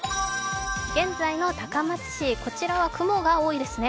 現在の高松市こちらは雲が多いですね。